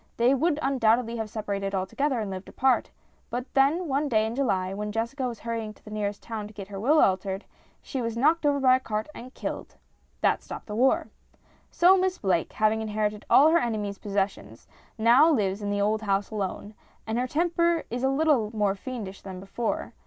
They would undoubtedly have separated alto gether and lived apart, but one day in July, when Jessica was hurrying to the nearest town to get her will altered, she was knocked over by a cart and killed. That stopped the war ! So Miss Blake, having inherited all her enemy's possessions, now lives in the old house alone ; and her temper is a little more fiendish than before.